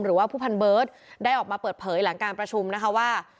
หรือว่าผู้พันเบิร์ตได้ออกมาเปิดเผยหลังการประชุมนะคะว่า